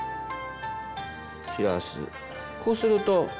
こうすると。